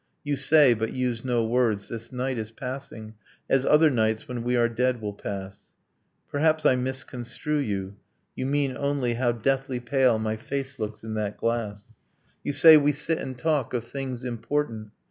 You say (but use no words) 'this night is passing As other nights when we are dead will pass ...' Perhaps I misconstrue you: you mean only, 'How deathly pale my face looks in that glass ...' You say: 'We sit and talk, of things important